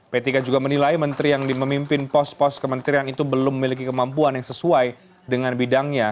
p tiga juga menilai menteri yang dimimpin pos pos kementerian itu belum memiliki kemampuan yang sesuai dengan bidangnya